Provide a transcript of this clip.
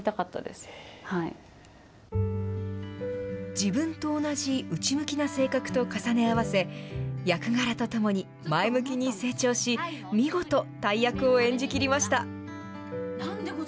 自分と同じ内向きな性格と重ね合わせ、役柄とともに前向きに成長し、見事、大役を演じきりました。